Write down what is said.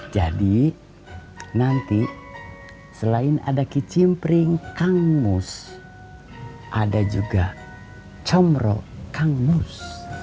nanti selain ada kicimpring kangmus ada juga comro kangmus